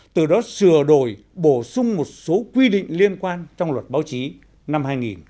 từ đó sửa đổi bổ sung một số quy định liên quan trong luật báo chí năm hai nghìn một mươi